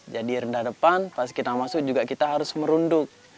jadi rendah depan pas kita masuk juga kita harus merunduk